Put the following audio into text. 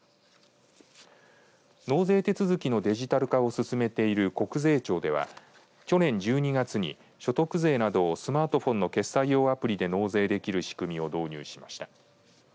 納税手続きのデジタル化を進めている国税庁では去年１２月に所得税などをスマートフォンの決済用アプリで納税できる仕組みを導入しました。